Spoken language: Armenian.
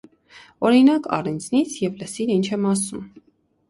Օրինակ առ ինձնից և լսիր ինչ եմ ասում: